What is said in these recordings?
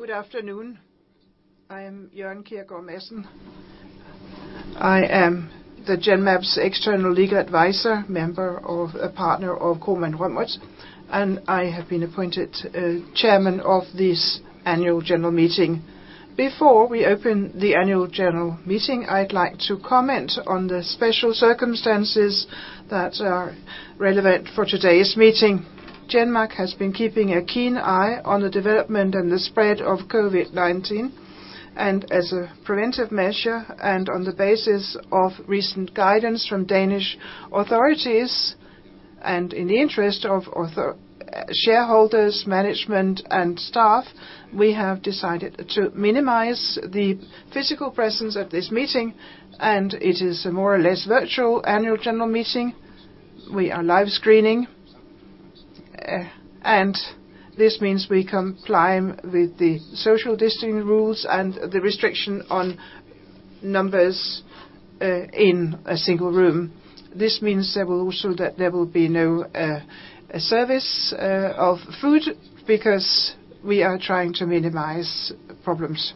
Good afternoon. I am Jørgen Kjærgaard Madsen. I am the Genmab's external legal advisor, member of a partner of Kromann Reumert, and I have been appointed chairman of this annual general meeting. Before we open the annual general meeting, I'd like to comment on the special circumstances that are relevant for today's meeting. Genmab has been keeping a keen eye on the development and the spread of COVID-19, and as a preventive measure and on the basis of recent guidance from Danish authorities, and in the interest of shareholders, management, and staff, we have decided to minimize the physical presence of this meeting, and it is a more or less virtual annual general meeting. We are live screening. This means we comply with the social distancing rules and the restriction on numbers in a single room. This means that also there will be no service of food because we are trying to minimize problems.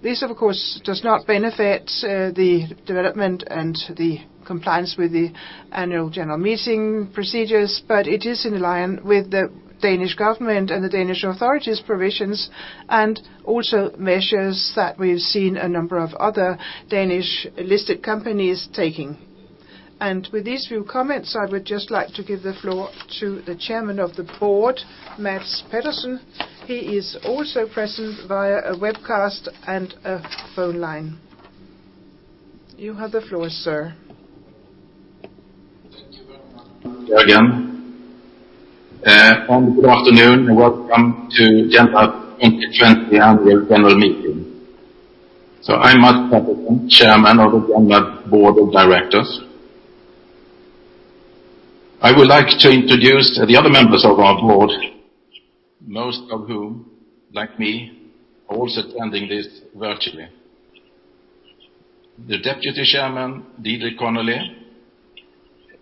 This, of course, does not benefit the development and the compliance with the annual general meeting procedures, but it is in line with the Danish government and the Danish authorities' provisions and also measures that we've seen a number of other Danish listed companies taking. With these few comments, I would just like to give the floor to the Chairman of the Board, Mats Pettersson. He is also present via a webcast and a phone line. You have the floor, sir. Thank you very much, Jørgen. Good afternoon, and welcome to Genmab 2020 Annual General Meeting. I'm Mats Pettersson, Chairman of the Genmab Board of Directors. I would like to introduce the other Members of our Board, most of whom, like me, are also attending this virtually. The Deputy Chairman, Deirdre Connolly,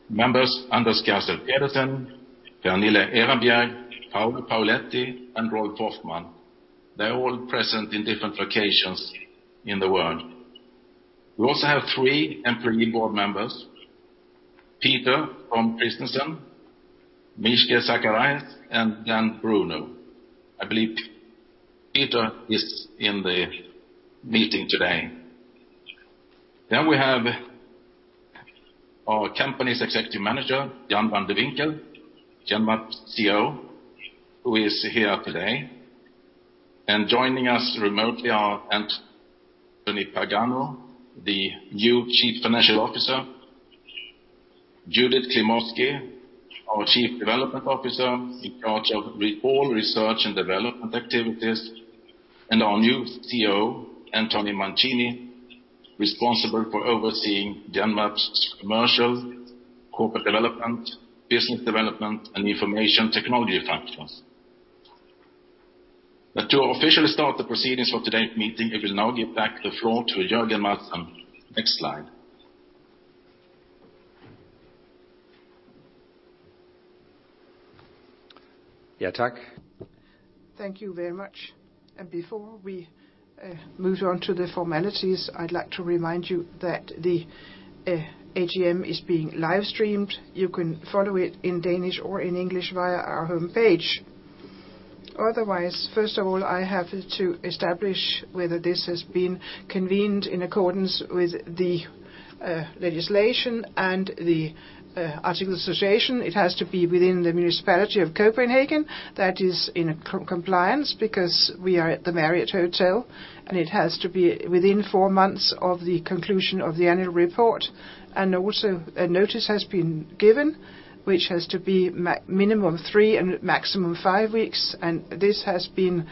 Members Anders Gersel Pedersen, Pernille Erenbjerg, Paolo Paoletti, and Rolf Hoffmann. They're all present in different locations in the world. We also have three Employee Board Members, Peter Storm Kristensen, Mijke Zachariasse, and Dan Bruno. I believe Peter is in the meeting today. We have our Company's Executive Manager, Jan van de Winkel, Genmab CEO, who is here today. Joining us remotely are Anthony Pagano, the new Chief Financial Officer, Judith Klimovsky, our Chief Development Officer in charge of all research and development activities, and our new CEO, Anthony Mancini, responsible for overseeing Genmab's commercial, corporate development, business development, and information technology functions. To officially start the proceedings for today's meeting, I will now give back the floor to Jørgen Madsen. Next slide. Thank you very much. Before we move on to the formalities, I'd like to remind you that the AGM is being live streamed. You can follow it in Danish or in English via our homepage. Otherwise, first of all, I have to establish whether this has been convened in accordance with the legislation and the article association. It has to be within the municipality of Copenhagen. That is in compliance because we are at the Marriott Hotel, and it has to be within four months of the conclusion of the annual report, and also a notice has been given, which has to be minimum three and maximum five weeks. This has been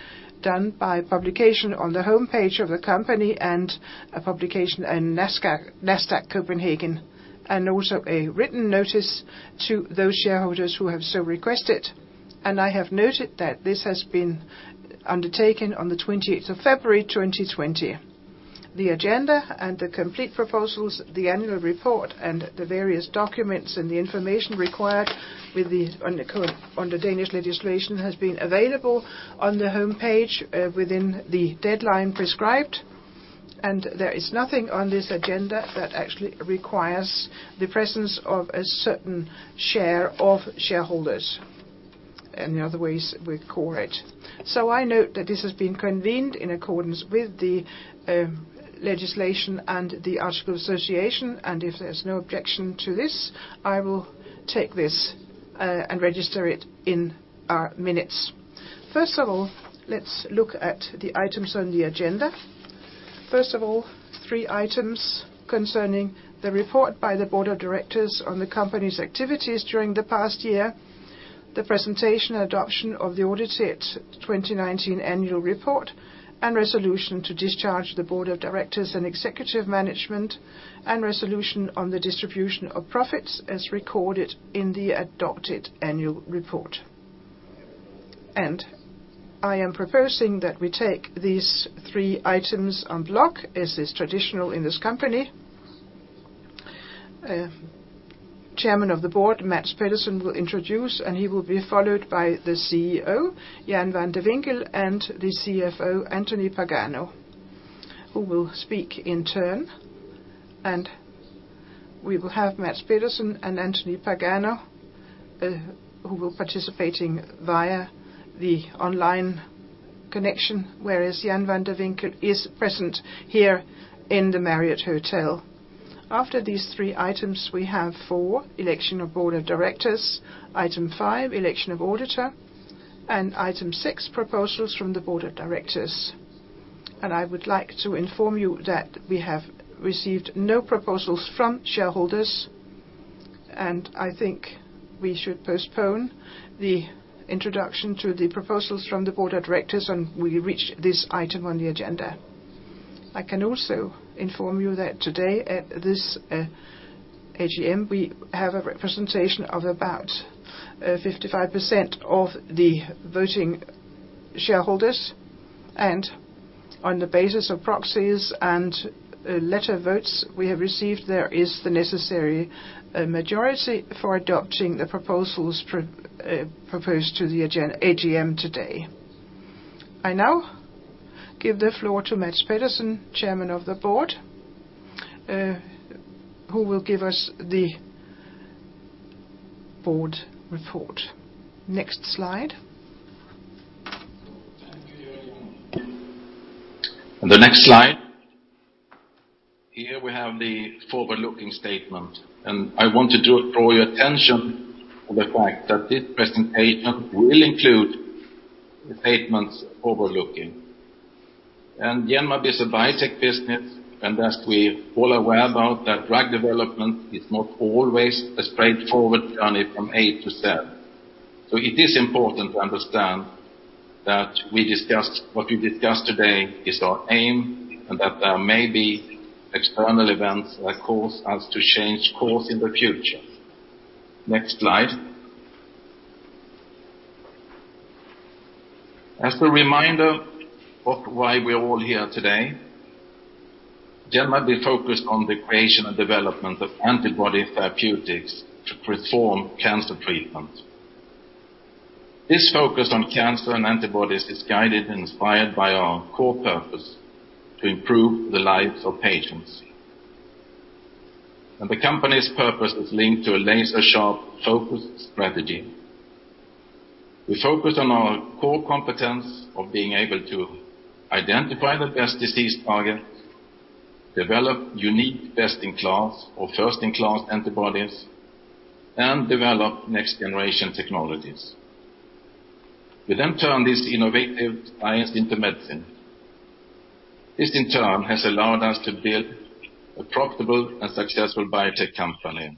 done by publication on the homepage of the company and a publication in Nasdaq Copenhagen, and also a written notice to those shareholders who have so requested. I have noted that this has been undertaken on the 20th of February 2020. The agenda and the complete proposals, the annual report, and the various documents, and the information required under Danish legislation has been available on the homepage within the deadline prescribed, there is nothing on this agenda that actually requires the presence of a certain share of shareholders, in other ways we call it. I note that this has been convened in accordance with the legislation and the article association, and if there's no objection to this, I will take this and register it in our minutes. First of all, let's look at the items on the agenda. First of all, three items concerning the report by the board of directors on the company's activities during the past year, the presentation and adoption of the audited 2019 annual report, and resolution to discharge the board of directors and executive management, and resolution on the distribution of profits as recorded in the adopted annual report. I am proposing that we take these three items en bloc, as is traditional in this company. Chairman of the Board, Mats Pettersson, will introduce. He will be followed by the CEO, Jan van de Winkel, and the CFO, Anthony Pagano, who will speak in turn. We will have Mats Pettersson and Anthony Pagano, who are participating via the online connection, whereas Jan van de Winkel is present here in the Marriott Hotel. After these three items, we have four, election of Board of Directors. Item 5, election of auditor. Item 6, proposals from the Board of Directors. I would like to inform you that we have received no proposals from shareholders, I think we should postpone the introduction to the proposals from the Board of Directors when we reach this item on the agenda. I can also inform you that today at this AGM, we have a representation of about 55% of the voting shareholders. On the basis of proxies and letter votes we have received, there is the necessary majority for adopting the proposals proposed to the AGM today. I now give the floor to Mats Pettersson, Chairman of the Board, who will give us the Board report. Next slide. Thank you, everyone. On the next slide, here we have the forward-looking statement. I want to draw your attention to the fact that this presentation will include statements forward-looking. Genmab is a biotech business, and as we're all aware about that drug development is not always a straightforward journey from A to Z. It is important to understand that what we discuss today is our aim and that there may be external events that cause us to change course in the future. Next slide. As a reminder of why we're all here today, Genmab is focused on the creation and development of antibody therapeutics to transform cancer treatment. This focus on cancer and antibodies is guided and inspired by our core purpose, to improve the lives of patients. The company's purpose is linked to a laser-sharp focused strategy. We focus on our core competence of being able to identify the best disease target, develop unique best-in-class or first-in-class antibodies, and develop next-generation technologies. We turn this innovative science into medicine. This in turn has allowed us to build a profitable and successful biotech company.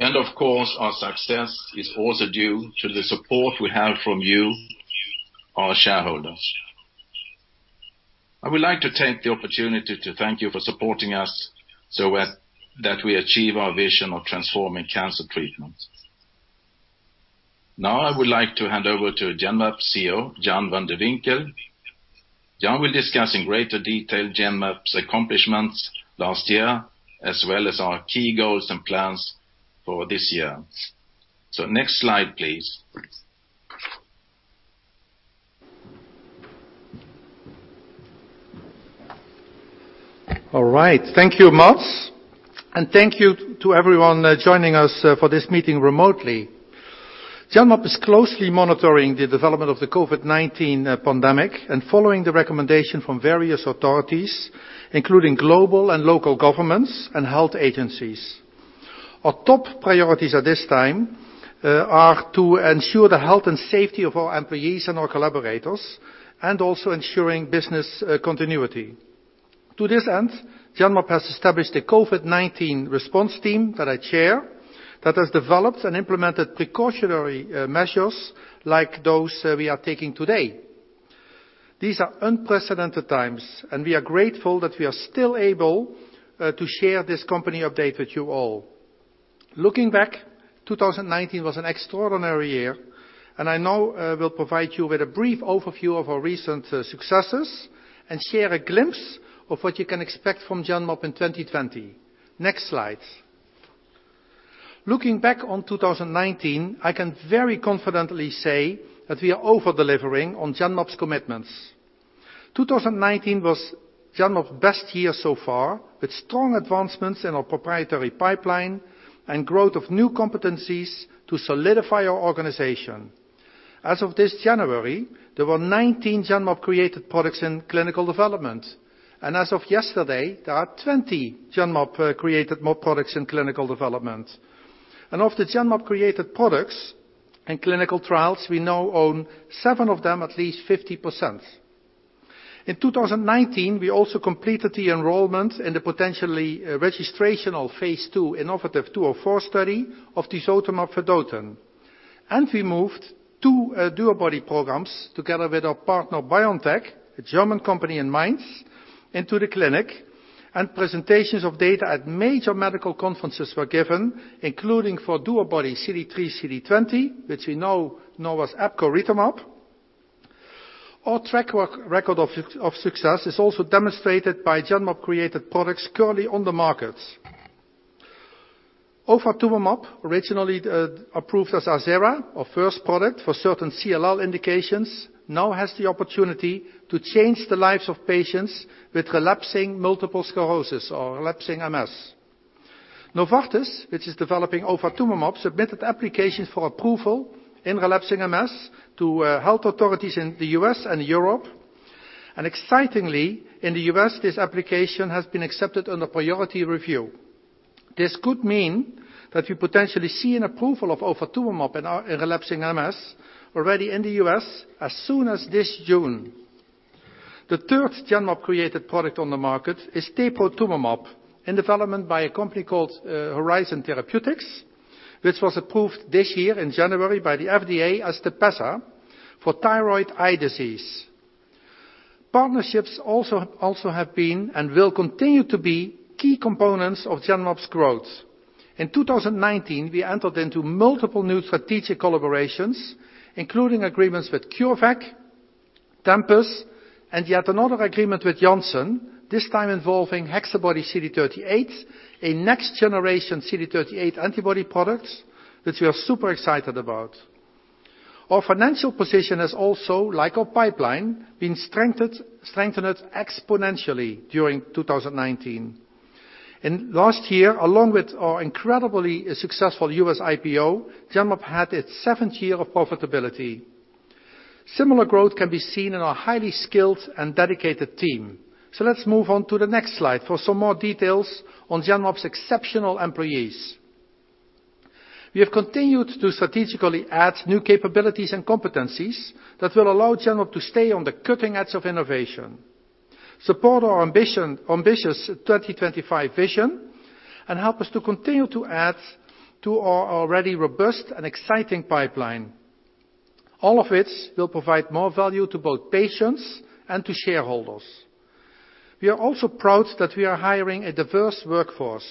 Of course, our success is also due to the support we have from you, our shareholders. I would like to take the opportunity to thank you for supporting us so that we achieve our vision of transforming cancer treatment. I would like to hand over to Genmab CEO, Jan van de Winkel. Jan will discuss in greater detail Genmab's accomplishments last year, as well as our key goals and plans for this year. Next slide, please. All right. Thank you, Mats, and thank you to everyone joining us for this meeting remotely. Genmab is closely monitoring the development of the COVID-19 pandemic and following the recommendation from various authorities, including global and local governments and health agencies. Our top priorities at this time are to ensure the health and safety of our employees and our collaborators, and also ensuring business continuity. To this end, Genmab has established a COVID-19 response team that I chair, that has developed and implemented precautionary measures like those we are taking today. These are unprecedented times, and we are grateful that we are still able to share this company update with you all. Looking back, 2019 was an extraordinary year. I now will provide you with a brief overview of our recent successes and share a glimpse of what you can expect from Genmab in 2020. Next slide. Looking back on 2019, I can very confidently say that we are over-delivering on Genmab's commitments. 2019 was Genmab's best year so far, with strong advancements in our proprietary pipeline and growth of new competencies to solidify our organization. As of this January, there were 19 Genmab-created products in clinical development. As of yesterday, there are 20 Genmab-created more products in clinical development. Of the Genmab-created products in clinical trials, we now own seven of them at least 50%. In 2019, we also completed the enrollment in the potentially registrational Phase II innovaTV 204 study of tisotumab vedotin. We moved two DuoBody programs together with our partner BioNTech, a German company in Mainz, into the clinic, and presentations of data at major medical conferences were given, including for DuoBody CD3xCD20, which we now know as epcoritamab. Our track record of success is also demonstrated by Genmab-created products currently on the market. Ofatumumab, originally approved as Arzerra, our first product for certain CLL indications, now has the opportunity to change the lives of patients with relapsing multiple sclerosis or relapsing MS. Novartis, which is developing ofatumumab, submitted applications for approval in relapsing MS to health authorities in the U.S. and Europe, and excitingly, in the U.S., this application has been accepted on a priority review. This could mean that we potentially see an approval of ofatumumab in relapsing MS already in the U.S. as soon as this June. The third Genmab-created product on the market is teprotumumab, in development by a company called Horizon Therapeutics, which was approved this year in January by the FDA as TEPEZZA for thyroid eye disease. Partnerships also have been, and will continue to be, key components of Genmab's growth. In 2019, we entered into multiple new strategic collaborations, including agreements with CureVac, Tempus, and yet another agreement with Janssen, this time involving HexaBody-CD38, a next-generation CD38 antibody product that we are super excited about. Our financial position has also, like our pipeline, been strengthened exponentially during 2019. In the last year, along with our incredibly successful U.S. IPO, Genmab had its seventh year of profitability. Similar growth can be seen in our highly skilled and dedicated team. Let's move on to the next slide for some more details on Genmab's exceptional employees. We have continued to strategically add new capabilities and competencies that will allow Genmab to stay on the cutting edge of innovation, support our ambitious 2025 vision, and help us to continue to add to our already robust and exciting pipeline. All of which will provide more value to both patients and to shareholders. We are also proud that we are hiring a diverse workforce,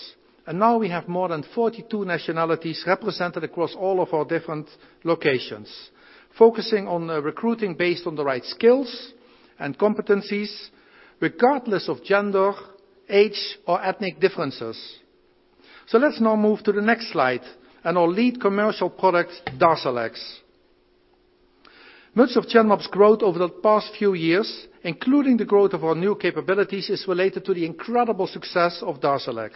and now we have more than 42 nationalities represented across all of our different locations, focusing on recruiting based on the right skills and competencies, regardless of gender, age, or ethnic differences. Let's now move to the next slide and our lead commercial product, DARZALEX. Much of Genmab's growth over the past few years, including the growth of our new capabilities, is related to the incredible success of DARZALEX.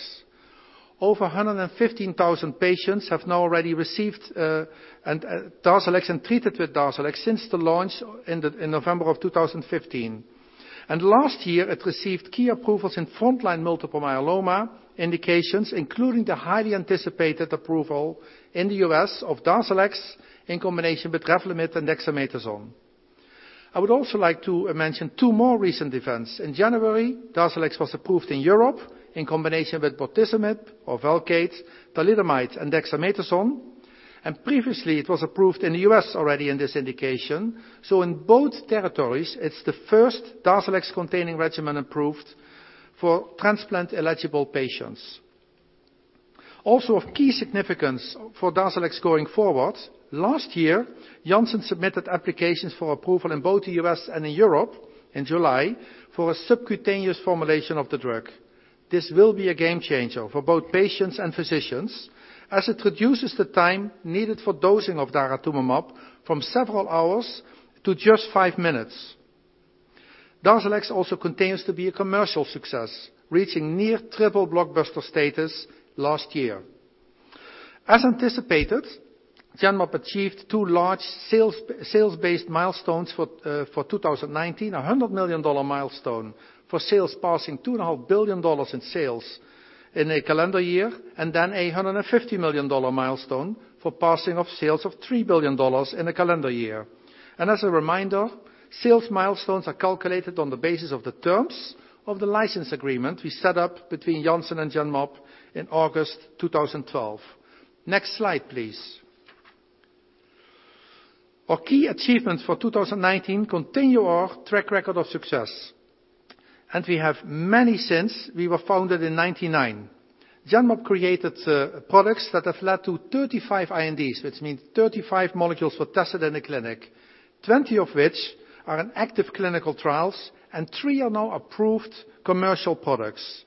Over 115,000 patients have now already received DARZALEX and treated with DARZALEX since the launch in November of 2015. Last year, it received key approvals in frontline multiple myeloma indications, including the highly anticipated approval in the U.S. of DARZALEX in combination with REVLIMID and dexamethasone. I would also like to mention two more recent events. In January, DARZALEX was approved in Europe in combination with bortezomib, or VELCADE, thalidomide, and dexamethasone, and previously it was approved in the U.S. already in this indication. In both territories, it's the first DARZALEX-containing regimen approved for transplant-eligible patients. Also of key significance for DARZALEX going forward, last year, Janssen submitted applications for approval in both the U.S. and in Europe in July for a subcutaneous formulation of the drug. This will be a game changer for both patients and physicians, as it reduces the time needed for dosing of daratumumab from several hours to just five minutes. DARZALEX also continues to be a commercial success, reaching near triple blockbuster status last year. As anticipated, Genmab achieved two large sales-based milestones for 2019: a $100 million milestone for sales passing $2.5 billion in sales in a calendar year, and then a $150 million milestone for passing of sales of $3 billion in a calendar year. As a reminder, sales milestones are calculated on the basis of the terms of the license agreement we set up between Janssen and Genmab in August 2012. Next slide, please. Our key achievements for 2019 continue our track record of success, and we have many since we were founded in 1999. Genmab created products that have led to 35 INDs, which means 35 molecules were tested in the clinic, 20 of which are in active clinical trials, and three are now approved commercial products.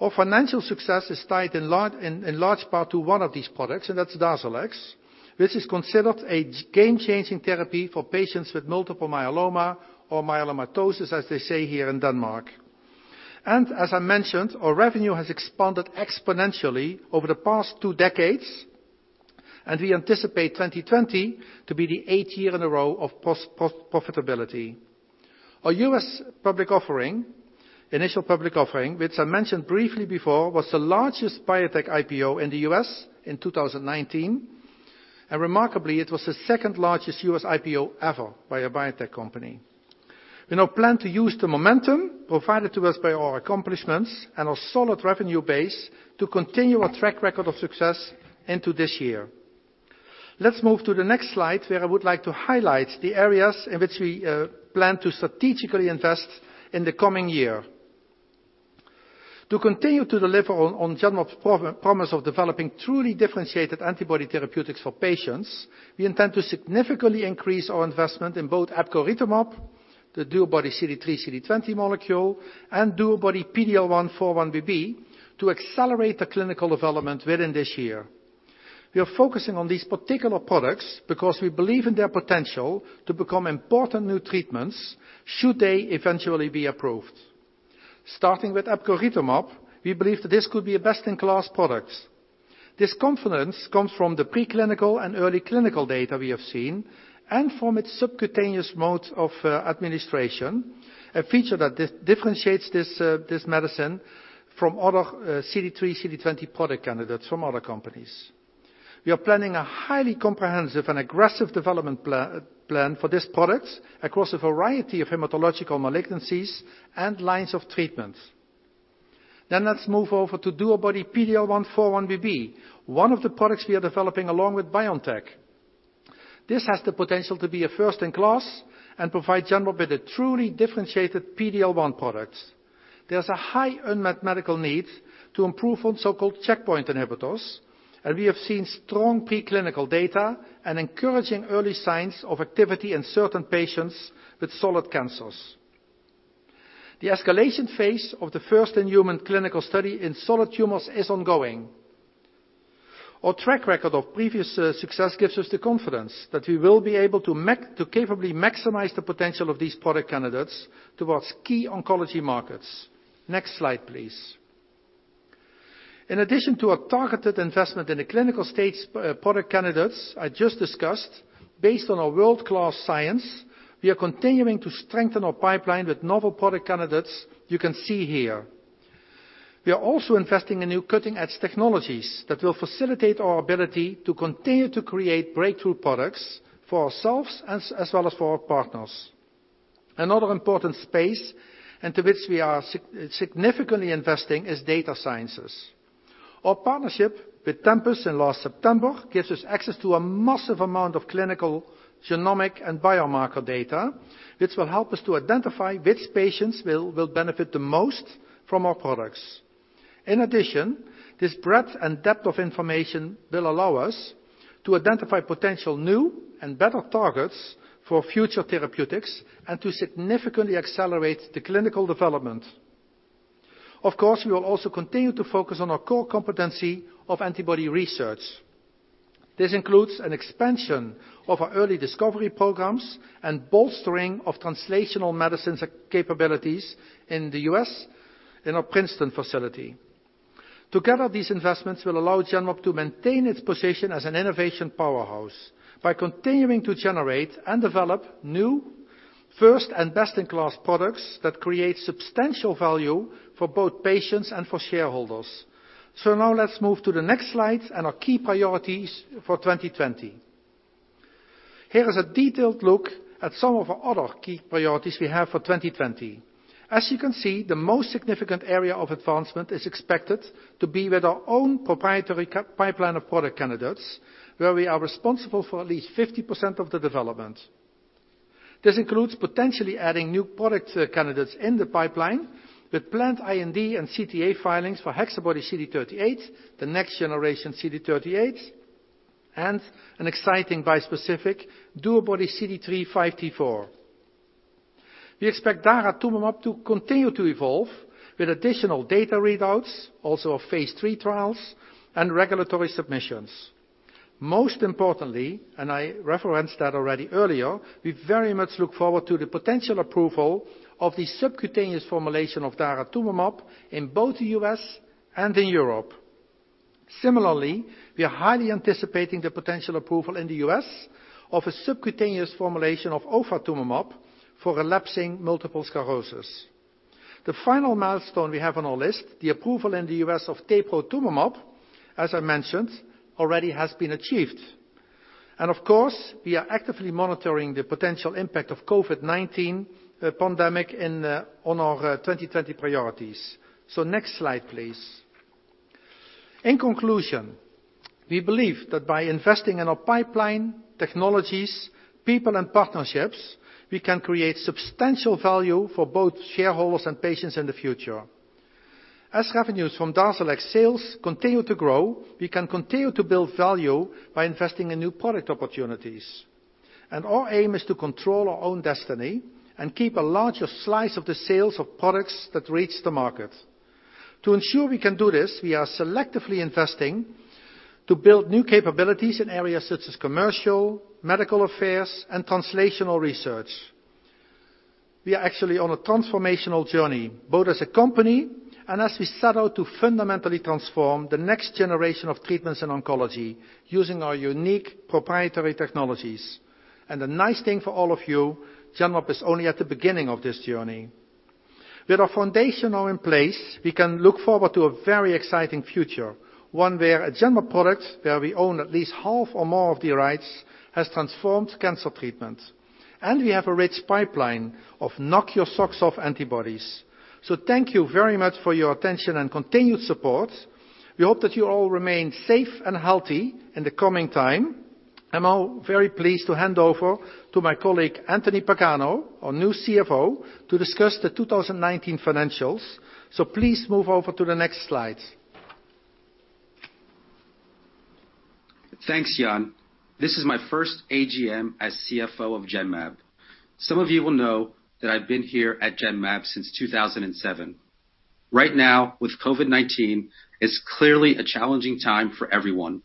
Our financial success is tied in large part to one of these products, and that's DARZALEX, which is considered a game-changing therapy for patients with multiple myeloma or myelomatosis, as they say here in Denmark. As I mentioned, our revenue has expanded exponentially over the past two decades, and we anticipate 2020 to be the eighth year in a row of profitability. Our U.S. public offering, initial public offering, which I mentioned briefly before, was the largest biotech IPO in the U.S. in 2019, and remarkably, it was the second-largest U.S. IPO ever by a biotech company. We now plan to use the momentum provided to us by our accomplishments and our solid revenue base to continue our track record of success into this year. Let's move to the next slide, where I would like to highlight the areas in which we plan to strategically invest in the coming year. To continue to deliver on Genmab's promise of developing truly differentiated antibody therapeutics for patients, we intend to significantly increase our investment in both epcoritamab, the DuoBody CD3xCD20 molecule, and DuoBody-PD-L1x4-1BB to accelerate the clinical development within this year. We are focusing on these particular products because we believe in their potential to become important new treatments should they eventually be approved. Starting with epcoritamab, we believe that this could be a best-in-class product. This confidence comes from the preclinical and early clinical data we have seen and from its subcutaneous mode of administration, a feature that differentiates this medicine from other CD3 CD20 product candidates from other companies. We are planning a highly comprehensive and aggressive development plan for this product across a variety of hematological malignancies and lines of treatment. Let's move over to DuoBody-PD-L1x4-1BB, one of the products we are developing along with BioNTech. This has the potential to be a first in class and provide Genmab with a truly differentiated PD-L1 product. There's a high unmet medical need to improve on so-called checkpoint inhibitors, and we have seen strong preclinical data and encouraging early signs of activity in certain patients with solid cancers. The escalation phase of the first-in-human clinical study in solid tumors is ongoing. Our track record of previous success gives us the confidence that we will be able to capably maximize the potential of these product candidates towards key oncology markets. Next slide, please. In addition to a targeted investment in the clinical-stage product candidates I just discussed, based on our world-class science, we are continuing to strengthen our pipeline with novel product candidates you can see here. We are also investing in new cutting-edge technologies that will facilitate our ability to continue to create breakthrough products for ourselves as well as for our partners. Another important space into which we are significantly investing is data sciences. Our partnership with Tempus in last September gives us access to a massive amount of clinical, genomic, and biomarker data, which will help us to identify which patients will benefit the most from our products. In addition, this breadth and depth of information will allow us to identify potential new and better targets for future therapeutics and to significantly accelerate the clinical development. Of course, we will also continue to focus on our core competency of antibody research. This includes an expansion of our early discovery programs and bolstering of translational medicines capabilities in the U.S. in our Princeton facility. Together, these investments will allow Genmab to maintain its position as an innovation powerhouse by continuing to generate and develop new, first, and best-in-class products that create substantial value for both patients and for shareholders. Now let's move to the next slide and our key priorities for 2020. Here is a detailed look at some of our other key priorities we have for 2020. As you can see, the most significant area of advancement is expected to be with our own proprietary pipeline of product candidates, where we are responsible for at least 50% of the development. This includes potentially adding new product candidates in the pipeline with planned IND and CTA filings for HexaBody-CD38, the next generation CD38, and an exciting bispecific DuoBody-CD3x5T4. We expect daratumumab to continue to evolve with additional data readouts, also of phase III trials, and regulatory submissions. Most importantly, and I referenced that already earlier, we very much look forward to the potential approval of the subcutaneous formulation of daratumumab in both the U.S. and in Europe. Similarly, we are highly anticipating the potential approval in the U.S. of a subcutaneous formulation of ofatumumab for relapsing multiple sclerosis. The final milestone we have on our list, the approval in the U.S. of teprotumumab, as I mentioned, already has been achieved. Of course, we are actively monitoring the potential impact of COVID-19 pandemic on our 2020 priorities. Next slide, please. In conclusion, we believe that by investing in our pipeline, technologies, people, and partnerships, we can create substantial value for both shareholders and patients in the future. As revenues from DARZALEX sales continue to grow, we can continue to build value by investing in new product opportunities. Our aim is to control our own destiny and keep a larger slice of the sales of products that reach the market. To ensure we can do this, we are selectively investing to build new capabilities in areas such as commercial, medical affairs, and translational research. We are actually on a transformational journey, both as a company and as we set out to fundamentally transform the next generation of treatments in oncology using our unique proprietary technologies. The nice thing for all of you, Genmab is only at the beginning of this journey. With our foundation now in place, we can look forward to a very exciting future, one where a Genmab product, where we own at least half or more of the rights, has transformed cancer treatment. We have a rich pipeline of knock-your-socks-off antibodies. Thank you very much for your attention and continued support. We hope that you all remain safe and healthy in the coming time. I'm now very pleased to hand over to my colleague, Anthony Pagano, our new CFO, to discuss the 2019 financials. Please move over to the next slide. Thanks, Jan. This is my first AGM as CFO of Genmab. Some of you will know that I've been here at Genmab since 2007. Right now, with COVID-19, it's clearly a challenging time for everyone.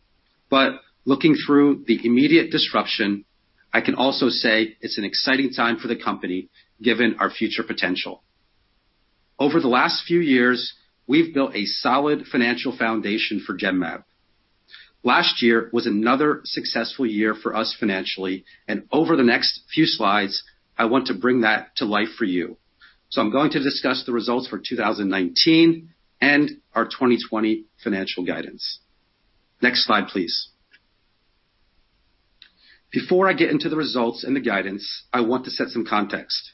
Looking through the immediate disruption, I can also say it's an exciting time for the company given our future potential. Over the last few years, we've built a solid financial foundation for Genmab. Last year was another successful year for us financially, over the next few slides, I want to bring that to life for you. I'm going to discuss the results for 2019 and our 2020 financial guidance. Next slide, please. Before I get into the results and the guidance, I want to set some context.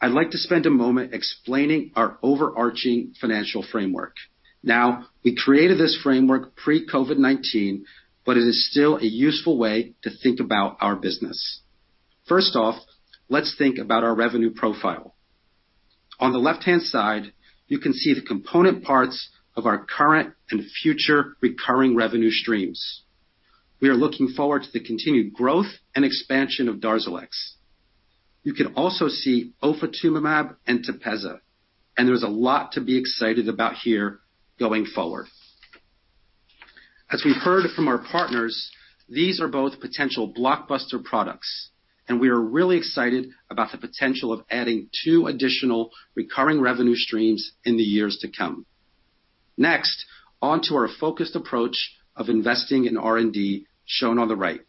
I'd like to spend a moment explaining our overarching financial framework. We created this framework pre-COVID-19, it is still a useful way to think about our business. First off, let's think about our revenue profile. On the left-hand side, you can see the component parts of our current and future recurring revenue streams. We are looking forward to the continued growth and expansion of DARZALEX. You can also see ofatumumab and TEPEZZA, there's a lot to be excited about here going forward. As we've heard from our partners, these are both potential blockbuster products, we are really excited about the potential of adding two additional recurring revenue streams in the years to come. Next, onto our focused approach of investing in R&D, shown on the right.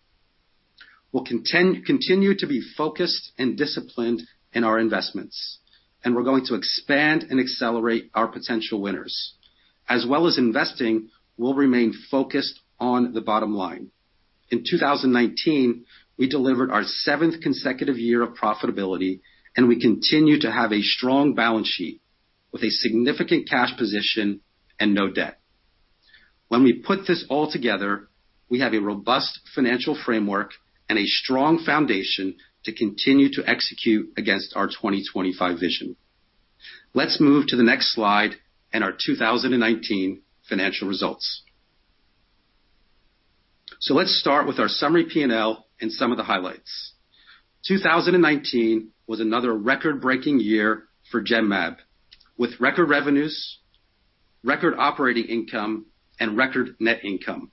We'll continue to be focused and disciplined in our investments, we're going to expand and accelerate our potential winners. As well as investing, we'll remain focused on the bottom line. In 2019, we delivered our seventh consecutive year of profitability, and we continue to have a strong balance sheet with a significant cash position and no debt. When we put this all together, we have a robust financial framework and a strong foundation to continue to execute against our 2025 vision. Let's move to the next slide and our 2019 financial results. Let's start with our summary P&L and some of the highlights. 2019 was another record-breaking year for Genmab, with record revenues, record operating income, and record net income.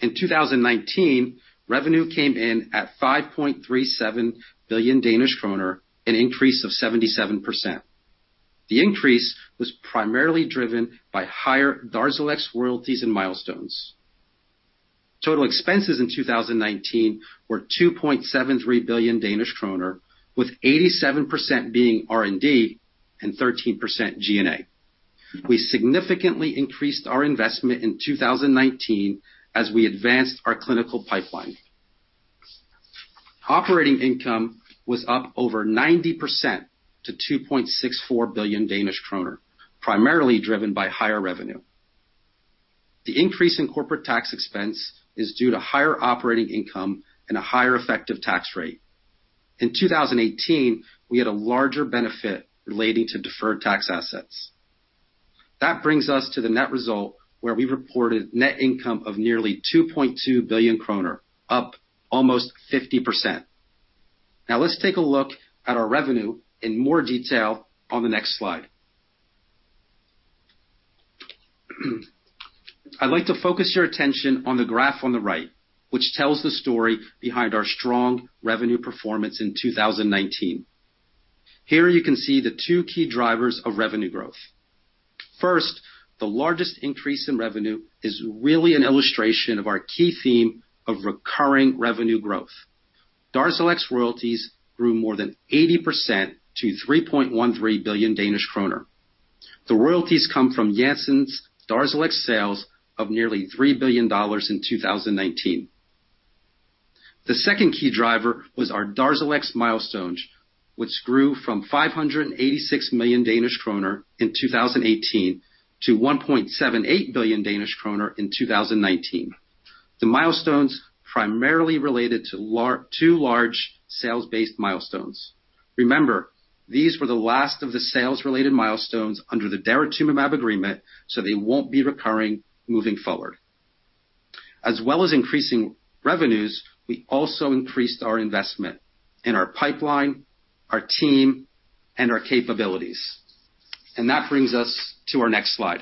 In 2019, revenue came in at 5.37 billion Danish kroner, an increase of 77%. The increase was primarily driven by higher DARZALEX royalties and milestones. Total expenses in 2019 were 2.73 billion Danish kroner, with 87% being R&D and 13% G&A. We significantly increased our investment in 2019 as we advanced our clinical pipeline. Operating income was up over 90% to 2.64 billion Danish kroner, primarily driven by higher revenue. The increase in corporate tax expense is due to higher operating income and a higher effective tax rate. In 2018, we had a larger benefit relating to deferred tax assets. That brings us to the net result, where we reported net income of nearly 2.2 billion kroner, up almost 50%. Now, let's take a look at our revenue in more detail on the next slide. I'd like to focus your attention on the graph on the right, which tells the story behind our strong revenue performance in 2019. Here, you can see the two key drivers of revenue growth. First, the largest increase in revenue is really an illustration of our key theme of recurring revenue growth. DARZALEX royalties grew more than 80% to 3.13 billion Danish kroner. The royalties come from Janssen's DARZALEX sales of nearly $3 billion in 2019. The second key driver was our DARZALEX milestones, which grew from 586 million Danish kroner in 2018 to 1.78 billion Danish kroner in 2019. The milestones primarily related to two large sales-based milestones. Remember, these were the last of the sales-related milestones under the daratumumab agreement. They won't be recurring moving forward. As well as increasing revenues, we also increased our investment in our pipeline, our team, and our capabilities. That brings us to our next slide.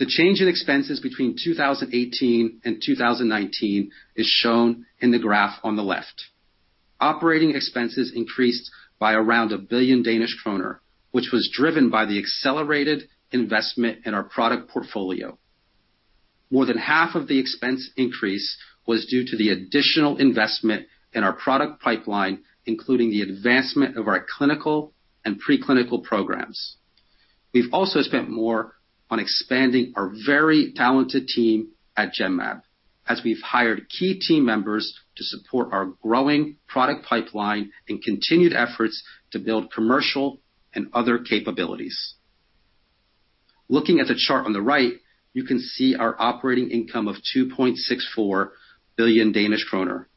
The change in expenses between 2018 and 2019 is shown in the graph on the left. Operating expenses increased by around 1 billion Danish kroner, which was driven by the accelerated investment in our product portfolio. More than half of the expense increase was due to the additional investment in our product pipeline, including the advancement of our clinical and pre-clinical programs. We've also spent more on expanding our very talented team at Genmab as we've hired key team members to support our growing product pipeline and continued efforts to build commercial and other capabilities. Looking at the chart on the right, you can see our operating income of 2.64 billion Danish kroner.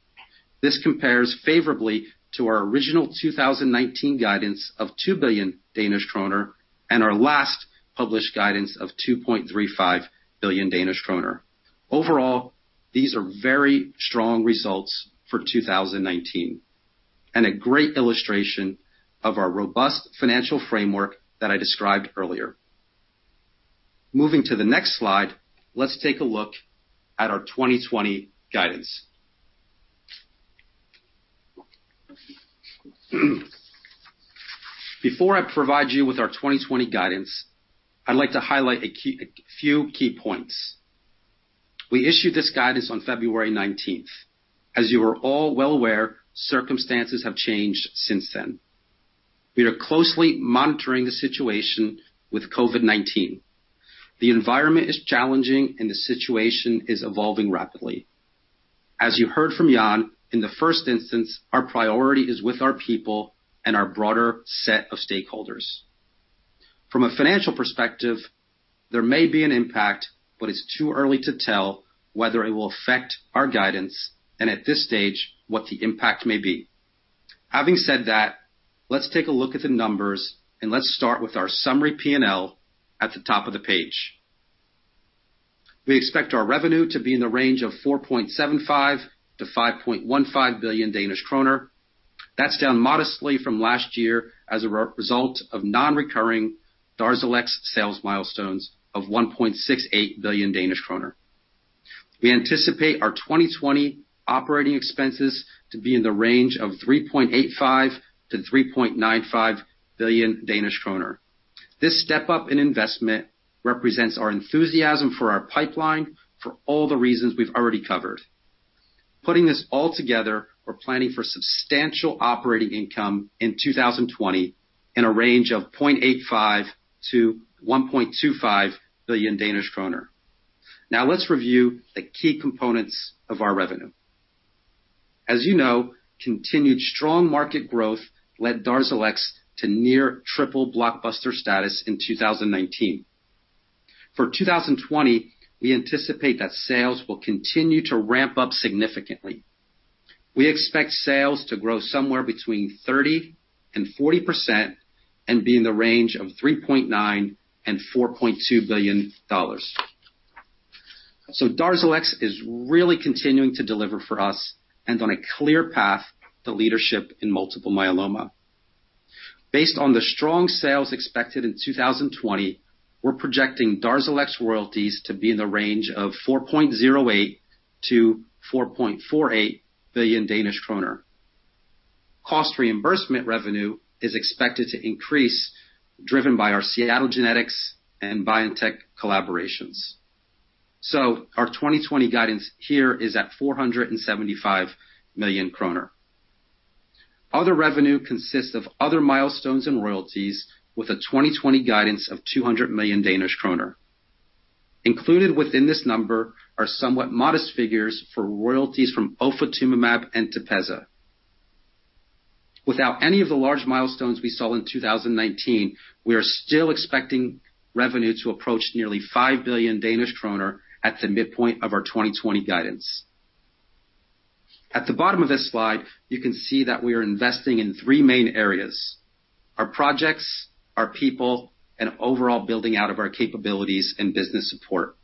This compares favorably to our original 2019 guidance of 2 billion Danish kroner and our last published guidance of 2.35 billion Danish kroner. Overall, these are very strong results for 2019, and a great illustration of our robust financial framework that I described earlier. Moving to the next slide, let's take a look at our 2020 guidance. Before I provide you with our 2020 guidance, I'd like to highlight a few key points. We issued this guidance on February 19th. As you are all well aware, circumstances have changed since then. We are closely monitoring the situation with COVID-19. The environment is challenging, and the situation is evolving rapidly. As you heard from Jan, in the first instance, our priority is with our people and our broader set of stakeholders. From a financial perspective, there may be an impact, but it's too early to tell whether it will affect our guidance and, at this stage, what the impact may be. Having said that, let's take a look at the numbers, and let's start with our summary P&L at the top of the page. We expect our revenue to be in the range of 4.75 billion-5.15 billion Danish kroner. That's down modestly from last year as a result of non-recurring DARZALEX sales milestones of 1.68 billion Danish kroner. We anticipate our 2020 operating expenses to be in the range of 3.85 billion-3.95 billion Danish kroner. This step-up in investment represents our enthusiasm for our pipeline for all the reasons we've already covered. Putting this all together, we're planning for substantial operating income in 2020 in a range of 0.85 billion-1.25 billion Danish kroner. Let's review the key components of our revenue. As you know, continued strong market growth led DARZALEX to near triple blockbuster status in 2019. For 2020, we anticipate that sales will continue to ramp up significantly. We expect sales to grow somewhere between 30%-40% and be in the range of $3.9 billion-$4.2 billion. DARZALEX is really continuing to deliver for us and on a clear path to leadership in multiple myeloma. Based on the strong sales expected in 2020, we're projecting DARZALEX royalties to be in the range of 4.08 billion-4.48 billion Danish kroner. Cost reimbursement revenue is expected to increase, driven by our Seattle Genetics and BioNTech collaborations. Our 2020 guidance here is at 475 million kroner. Other revenue consists of other milestones and royalties with a 2020 guidance of 200 million Danish kroner. Included within this number are somewhat modest figures for royalties from ofatumumab and TEPEZZA. Without any of the large milestones we saw in 2019, we are still expecting revenue to approach nearly 5 billion Danish kroner at the midpoint of our 2020 guidance. At the bottom of this slide, you can see that we are investing in three main areas: our projects, our people, and overall building out of our capabilities and business support.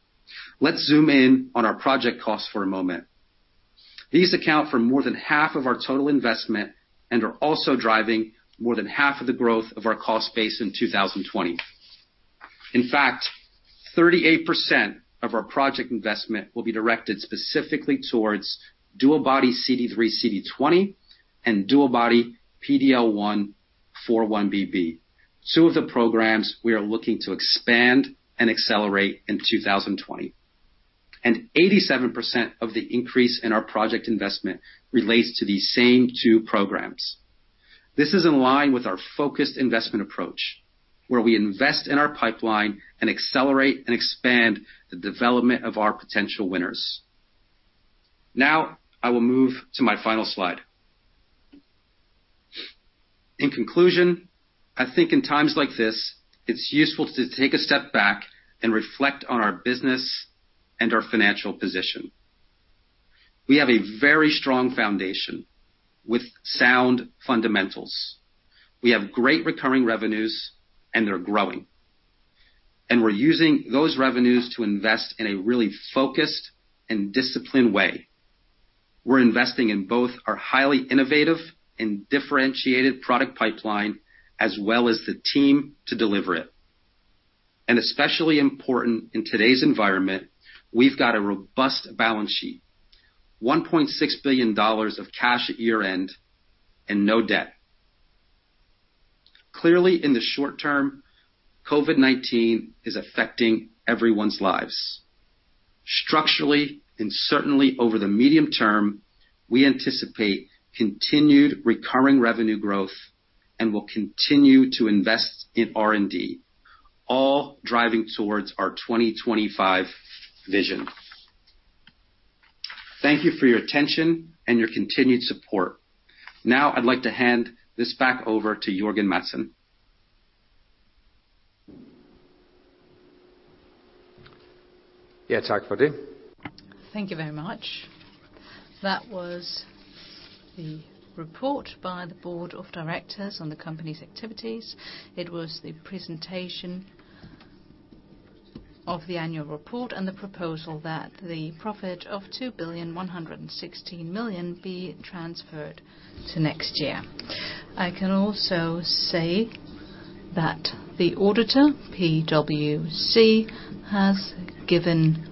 Let's zoom in on our project costs for a moment. These account for more than half of our total investment and are also driving more than half of the growth of our cost base in 2020. In fact, 38% of our project investment will be directed specifically towards DuoBody CD3xCD20 and DuoBody-PD-L1x4-1BB, two of the programs we are looking to expand and accelerate in 2020. 87% of the increase in our project investment relates to these same two programs. This is in line with our focused investment approach, where we invest in our pipeline and accelerate and expand the development of our potential winners. Now, I will move to my final slide. In conclusion, I think in times like this, it's useful to take a step back and reflect on our business and our financial position. We have a very strong foundation with sound fundamentals. We have great recurring revenues, and they're growing. We're using those revenues to invest in a really focused and disciplined way. We're investing in both our highly innovative and differentiated product pipeline, as well as the team to deliver it. Especially important in today's environment, we've got a robust balance sheet. DKK 1.6 billion of cash at year-end and no debt. Clearly, in the short term, COVID-19 is affecting everyone's lives. Structurally and certainly over the medium term, we anticipate continued recurring revenue growth. Will continue to invest in R&D, all driving towards our 2025 vision. Thank you for your attention and your continued support. Now I'd like to hand this back over to Jørgen Madsen. Yeah. Thank you very much. That was the report by the board of directors on the company's activities. It was the presentation of the annual report and the proposal that the profit of 2,116,000,000 be transferred to next year. I can also say that the auditor, PwC, has given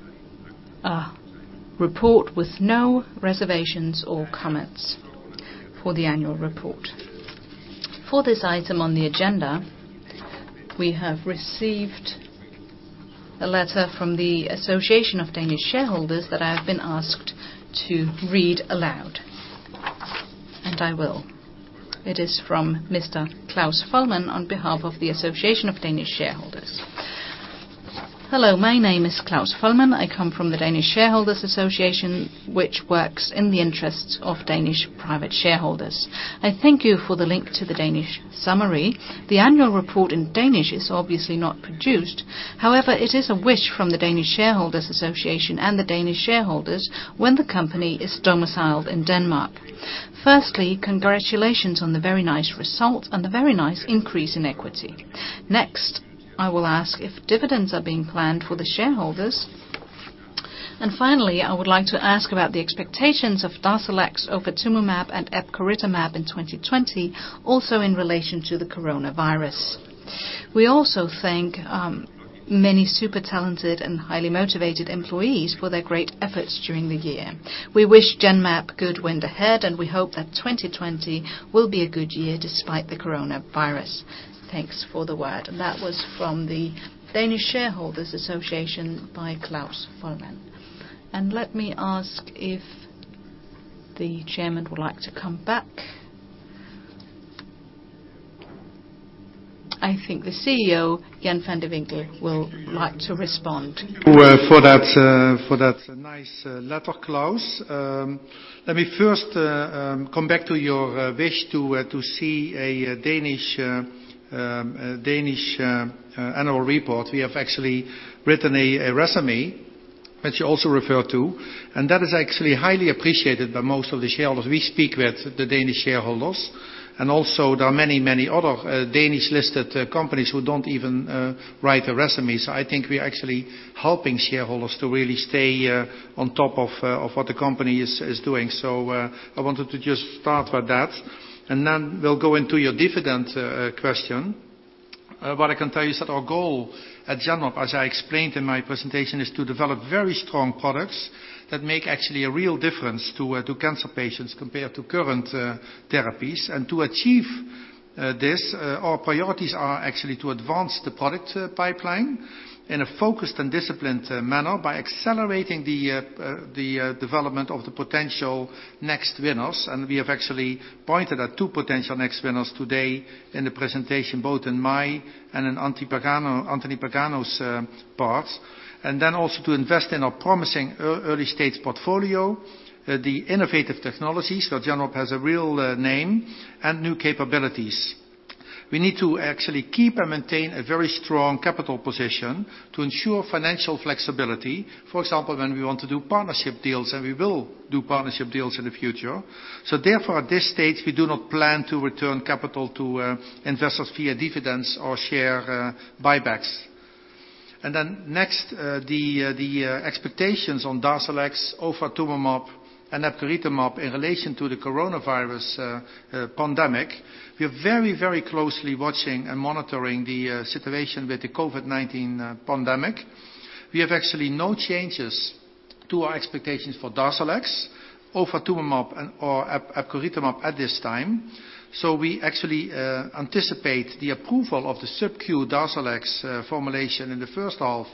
a report with no reservations or comments for the annual report. For this item on the agenda, we have received a letter from the Association of Danish Shareholders that I have been asked to read aloud. I will. It is from Mr. Claus Folman on behalf of the Association of Danish Shareholders. "Hello, my name is Claus Folman. I come from the Danish Shareholders Association, which works in the interests of Danish private shareholders. I thank you for the link to the Danish summary. The annual report in Danish is obviously not produced. However, it is a wish from the Danish Shareholders Association and the Danish shareholders when the company is domiciled in Denmark. Firstly, congratulations on the very nice result and the very nice increase in equity. Next, I will ask if dividends are being planned for the shareholders. Finally, I would like to ask about the expectations of DARZALEX, ofatumumab, and epcoritamab in 2020, also in relation to the coronavirus. We also thank many super talented and highly motivated employees for their great efforts during the year. We wish Genmab good wind ahead, and we hope that 2020 will be a good year despite the Coronavirus. Thanks for the word." That was from the Danish Shareholders Association by Claus Folman. Let me ask if the chairman would like to come back. I think the CEO, Jan van de Winkel, will like to respond. Thank you for that nice letter, Claus. Let me first come back to your wish to see a Danish annual report. We have actually written a résumé, which you also refer to, that is actually highly appreciated by most of the shareholders. We speak with the Danish shareholders and also there are many other Danish-listed companies who don't even write a résumé. I think we are actually helping shareholders to really stay on top of what the company is doing. I wanted to just start with that, and then we'll go into your dividend question. What I can tell you is that our goal at Genmab, as I explained in my presentation, is to develop very strong products that make actually a real difference to cancer patients compared to current therapies. To achieve this, our priorities are actually to advance the product pipeline in a focused and disciplined manner by accelerating the development of the potential next winners. We have actually pointed at two potential next winners today in the presentation, both in my and in Anthony Pagano's parts. Also to invest in our promising early-stage portfolio, the innovative technologies that Genmab has a real name and new capabilities. We need to actually keep and maintain a very strong capital position to ensure financial flexibility. For example, when we want to do partnership deals, and we will do partnership deals in the future. Therefore, at this stage, we do not plan to return capital to investors via dividends or share buybacks. Next, the expectations on DARZALEX, ofatumumab, and epcoritamab in relation to the Coronavirus pandemic. We are very closely watching and monitoring the situation with the COVID-19 pandemic. We have actually no changes to our expectations for DARZALEX, ofatumumab, or epcoritamab at this time. We actually anticipate the approval of the subQ DARZALEX formulation in the first half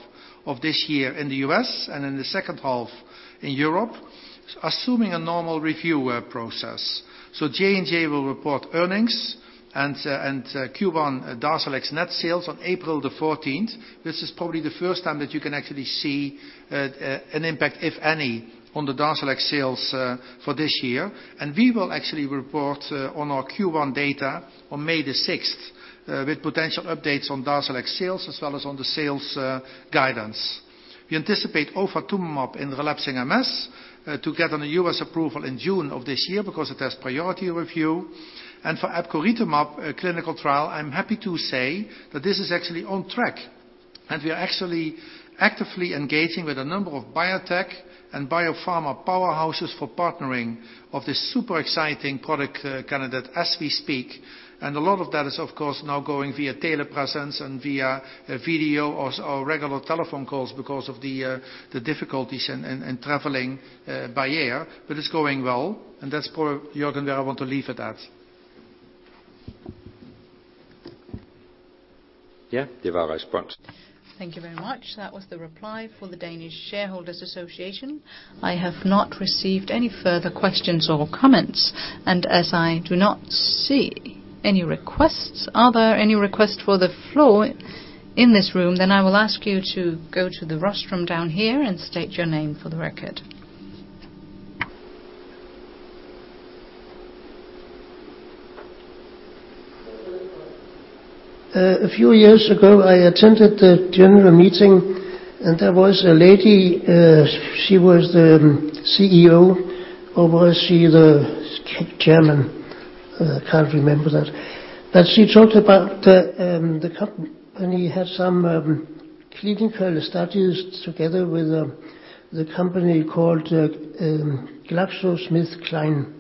of this year in the U.S. and in the second half in Europe, assuming a normal review process. J&J will report earnings and Q1 DARZALEX net sales on April 14th. This is probably the first time that you can actually see an impact, if any, on the DARZALEX sales for this year. We will actually report on our Q1 data on May 6th, with potential updates on DARZALEX sales as well as on the sales guidance. We anticipate ofatumumab in relapsing MS to get on the U.S. approval in June of this year because it has priority review. For Epcoritamab clinical trial, I'm happy to say that this is actually on track, and we are actually actively engaging with a number of biotech and biopharma powerhouses for partnering of this super exciting product candidate as we speak. A lot of that is, of course, now going via telepresence and via video or regular telephone calls because of the difficulties in traveling by air. It's going well. That's where, Jørgen, where I want to leave it at. Yeah. Thank you very much. That was the reply for the Danish Shareholders Association. I have not received any further questions or comments. As I do not see any requests. Are there any requests for the floor in this room? I will ask you to go to the rostrum down here and state your name for the record. A few years ago, I attended the general meeting, and there was a lady, she was the CEO, or was she the chairman? I can't remember that. She talked about the company had some clinical studies together with the company called GlaxoSmithKline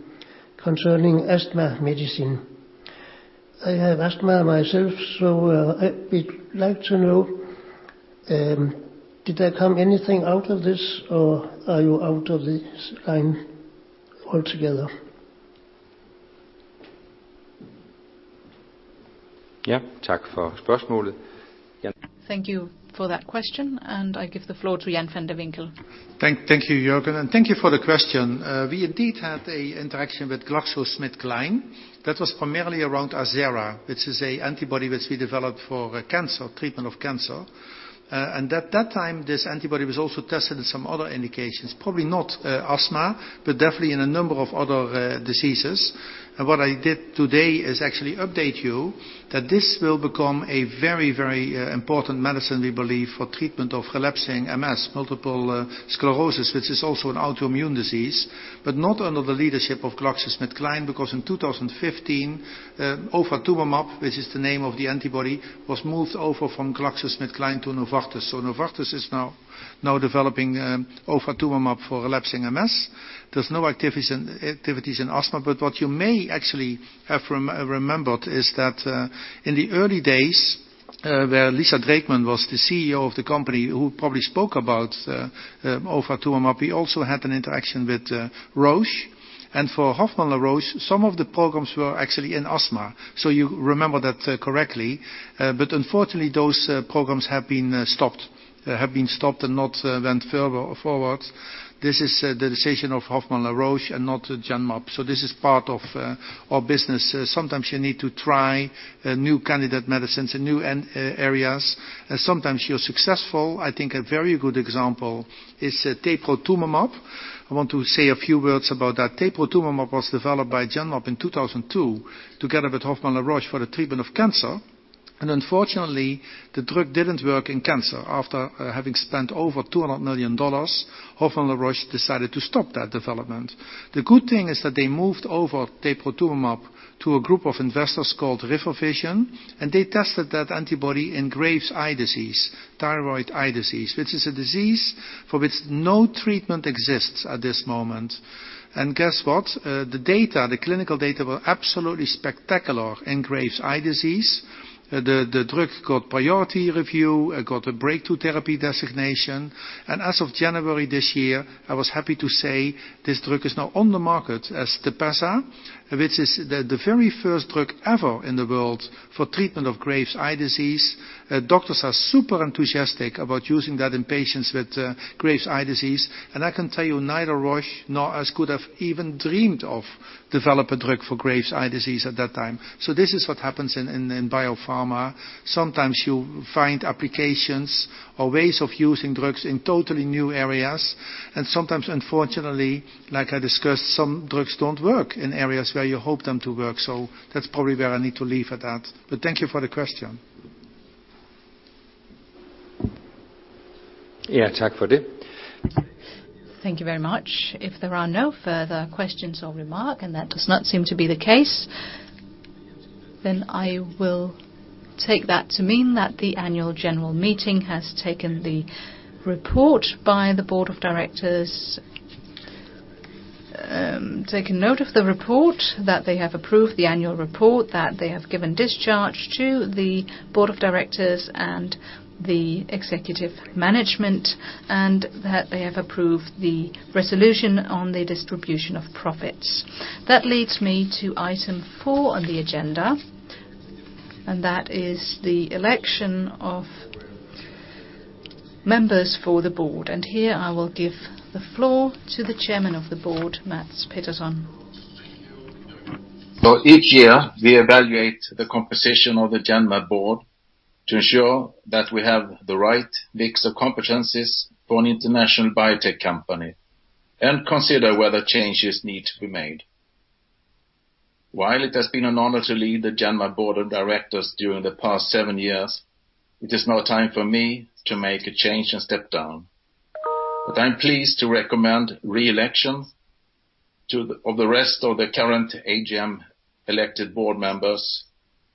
concerning asthma medicine. I have asthma myself, so I would like to know, did there come anything out of this, or are you out of this line altogether. Thank you for that question. I give the floor to Jan van de Winkel. Thank you, Jørgen, and thank you for the question. We indeed had interaction with GlaxoSmithKline that was primarily around Arzerra, which is an antibody which we developed for treatment of cancer. At that time, this antibody was also tested in some other indications, probably not asthma, but definitely in a number of other diseases. What I did today is actually update you that this will become a very important medicine, we believe, for treatment of relapsing MS, multiple sclerosis, which is also an autoimmune disease, but not under the leadership of GlaxoSmithKline, because in 2015, ofatumumab which is the name of the antibody, was moved over from GlaxoSmithKline to Novartis. Novartis is now developing ofatumumab for relapsing MS. There's no activities in asthma. What you may actually have remembered is that in the early days where Lisa Drakeman was the CEO of the company, who probably spoke about ofatumumab, we also had an interaction with Roche. For Hoffmann-La Roche, some of the programs were actually in asthma. You remember that correctly. Unfortunately, those programs have been stopped and not went further forward. This is the decision of Hoffmann-La Roche and not Genmab. This is part of our business. Sometimes you need to try new candidate medicines in new areas. Sometimes you're successful. I think a very good example is teprotumumab. I want to say a few words about that. Teprotumumab was developed by Genmab in 2002 together with Hoffmann-La Roche for the treatment of cancer. Unfortunately, the drug didn't work in cancer. After having spent over $200 million, Hoffmann-La Roche decided to stop that development. The good thing is that they moved over teprotumumab to a group of investors called River Vision, and they tested that antibody in Graves' eye disease, thyroid eye disease, which is a disease for which no treatment exists at this moment. Guess what? The clinical data were absolutely spectacular in Graves' eye disease. The drug got priority review, it got a breakthrough therapy designation. As of January this year, I was happy to say this drug is now on the market as TEPEZZA, which is the very first drug ever in the world for treatment of Graves' eye disease. Doctors are super enthusiastic about using that in patients with Graves' eye disease. I can tell you, neither Roche nor us could have even dreamed of develop a drug for Graves' eye disease at that time. This is what happens in biopharma. Sometimes you find applications or ways of using drugs in totally new areas, and sometimes, unfortunately, like I discussed, some drugs don't work in areas where you hope them to work. That's probably where I need to leave at that. Thank you for the question. Ja, tak for det. Thank you very much. If there are no further questions or remark, and that does not seem to be the case, then I will take that to mean that the annual general meeting has taken the report by the board of directors, taken note of the report, that they have approved the annual report, that they have given discharge to the board of directors and the executive management, and that they have approved the resolution on the distribution of profits. That leads me to item four on the agenda, and that is the election of members for the board. Here I will give the floor to the chairman of the board, Mats Pettersson. Each year, we evaluate the composition of the Genmab board to ensure that we have the right mix of competencies for an international biotech company and consider whether changes need to be made. While it has been an honor to lead the Genmab Board of Directors during the past seven years, it is now time for me to make a change and step down. I'm pleased to recommend re-election of the rest of the current AGM elected board members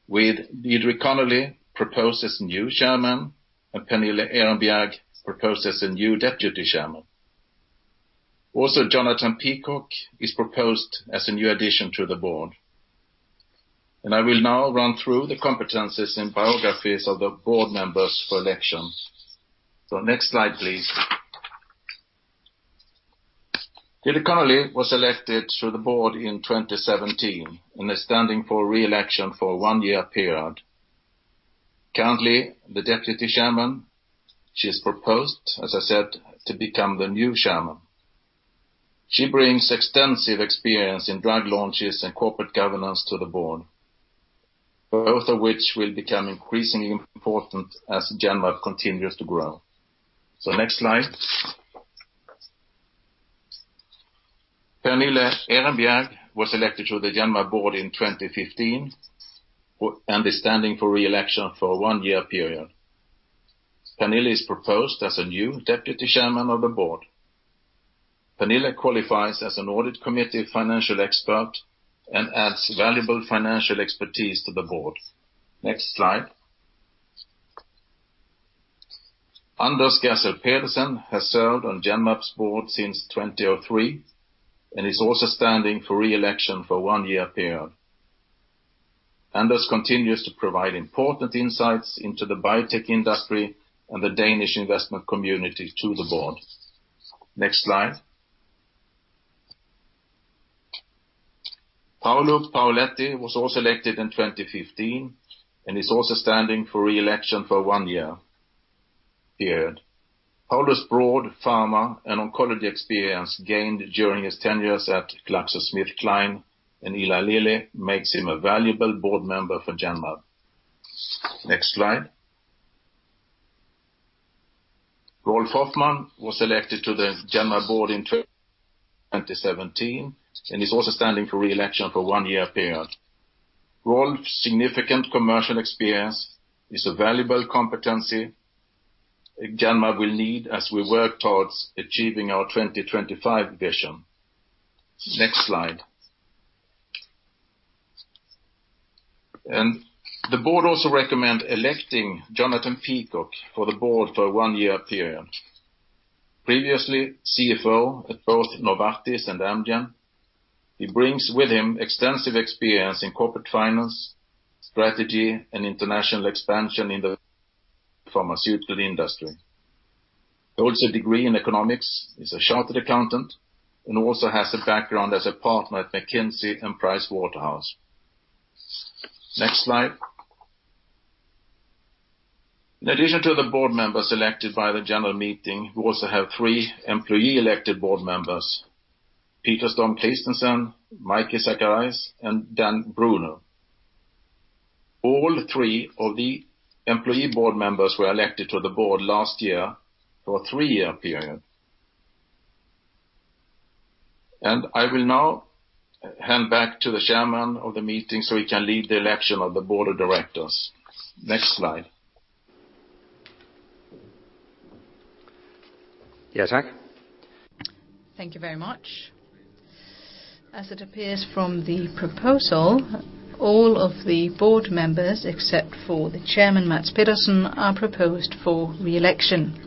with Deirdre Connelly proposed as new chairman and Pernille Erenbjerg proposed as a new deputy chairman. Jonathan Peacock is proposed as a new addition to the board. I will now run through the competencies and biographies of the board members for elections. Next slide, please. Deirdre Connelly was elected to the board in 2017 and is standing for re-election for a one-year period. Currently the Deputy Chairman, she is proposed, as I said, to become the new Chairman. She brings extensive experience in drug launches and corporate governance to the Board, both of which will become increasingly important as Genmab continues to grow. Next slide. Pernille Erenbjerg was elected to the Genmab Board in 2015 and is standing for re-election for a one-year period. Pernille is proposed as a new Deputy Chairman of the Board. Pernille qualifies as an Audit Committee Financial Expert and adds valuable financial expertise to the Board. Next slide. Anders Gersel Pedersen has served on Genmab's Board since 2003 and is also standing for re-election for a one-year period. Anders continues to provide important insights into the biotech industry and the Danish investment community to the Board. Next slide. Paolo Paoletti was also elected in 2015 and is also standing for re-election for a one-year period. Paolo's broad pharma and oncology experience gained during his tenure at GlaxoSmithKline and Eli Lilly makes him a valuable board member for Genmab. Next slide. Rolf Hoffmann was elected to the Genmab board in 2017 and is also standing for re-election for a one-year period. Rolf's significant commercial experience is a valuable competency Genmab will need as we work towards achieving our 2025 vision. Next slide. The board also recommend electing Jonathan Peacock for the board for a one-year period. Previously CFO at both Novartis and Amgen, he brings with him extensive experience in corporate finance, strategy, and international expansion in the pharmaceutical industry. He holds a degree in economics, is a chartered accountant, and also has a background as a partner at McKinsey and Pricewaterhouse. Next slide. In addition to the board members elected by the general meeting, we also have three employee elected board members, Peter Storm Kristensen, Mijke Zachariasse, and Dan Bruno. All three of the employee board members were elected to the board last year for a three-year period. I will now hand back to the chairman of the meeting so he can lead the election of the board of directors. Next slide. Yes, thank. Thank you very much. As it appears from the proposal, all of the board members, except for the chairman, Mats Pettersson, are proposed for re-election.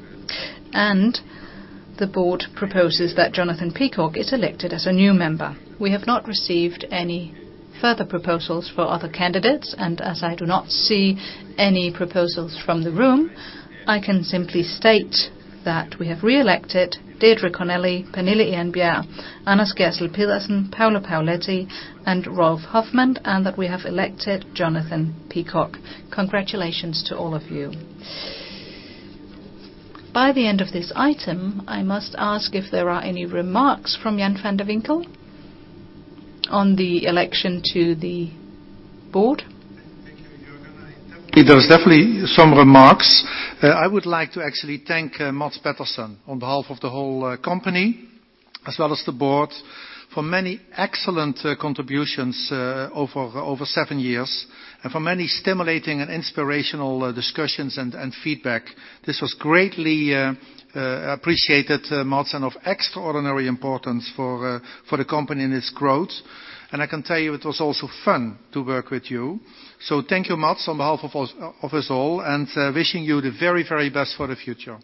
The board proposes that Jonathan Peacock is elected as a new member. We have not received any further proposals for other candidates, and as I do not see any proposals from the room, I can simply state that we have reelected Deirdre Connelly, Pernille Erenbjerg, Anders Gersel Pedersen, Paolo Paoletti, and Rolf Hoffmann, and that we have elected Jonathan Peacock. Congratulations to all of you. By the end of this item, I must ask if there are any remarks from Jan van de Winkel on the election to the board. Thank you, Jørgen. There's definitely some remarks. I would like to actually thank Mats Pettersson on behalf of the whole company, as well as the board, for many excellent contributions over seven years and for many stimulating and inspirational discussions and feedback. This was greatly appreciated, Mats, and of extraordinary importance for the company and its growth. I can tell you it was also fun to work with you. Thank you, Mats, on behalf of us all, and wishing you the very best for the future.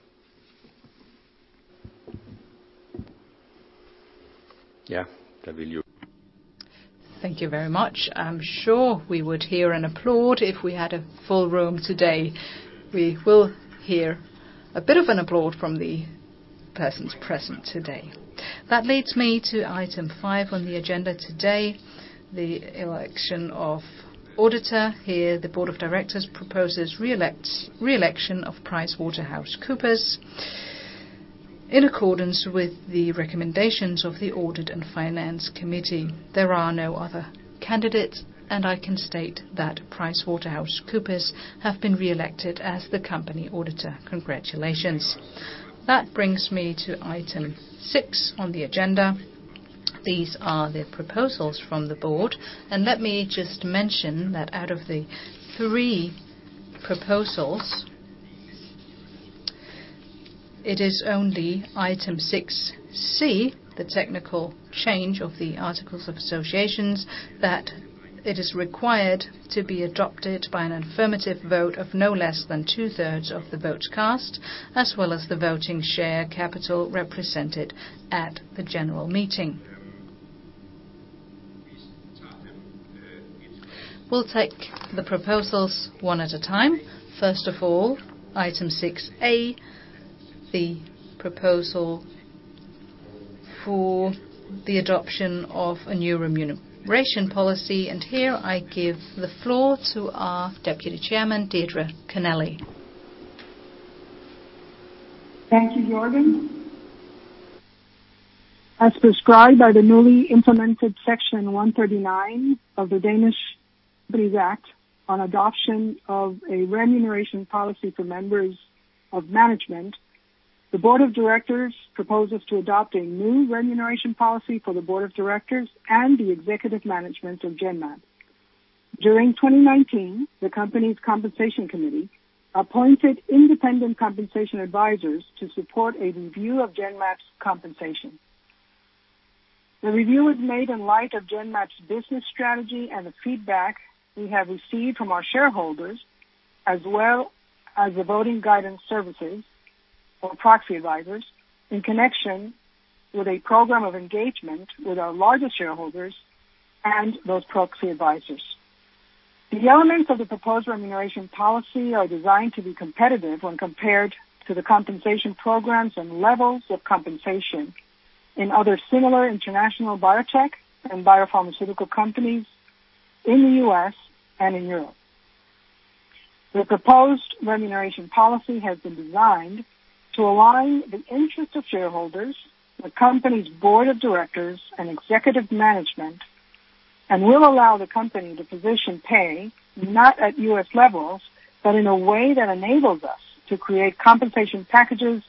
Thank you very much. I'm sure we would hear an applaud if we had a full room today. We will hear a bit of an applaud from the persons present today. That leads me to item five on the agenda today, the election of auditor. Here, the board of directors proposes re-election of PricewaterhouseCoopers in accordance with the recommendations of the audit and finance committee. There are no other candidates, and I can state that PricewaterhouseCoopers have been reelected as the company auditor. Congratulations. That brings me to item six on the agenda. These are the proposals from the board. Let me just mention that out of the three proposals, it is only item 6C, the technical change of the articles of association, that it is required to be adopted by an affirmative vote of no less than two-thirds of the votes cast, as well as the voting share capital represented at the general meeting. We'll take the proposals one at a time. First of all, item 6A, the proposal for the adoption of a new remuneration policy, and here I give the floor to our deputy chairman, Deirdre Connelly. Thank you, Jørgen. As prescribed by the newly implemented Section 139 of the Danish Companies Act on adoption of a remuneration policy for members of management, the board of directors proposes to adopt a new remuneration policy for the board of directors and the executive management of Genmab. During 2019, the company's compensation committee appointed independent compensation advisors to support a review of Genmab's compensation. The review is made in light of Genmab's business strategy and the feedback we have received from our shareholders as well as the voting guidance services or proxy advisors in connection with a program of engagement with our largest shareholders and those proxy advisors. The elements of the proposed remuneration policy are designed to be competitive when compared to the compensation programs and levels of compensation in other similar international biotech and biopharmaceutical companies in the U.S. and in Europe. The proposed remuneration policy has been designed to align the interest of shareholders, the company's board of directors, and executive management, and will allow the company to position pay not at U.S. levels, but in a way that enables us to create compensation packages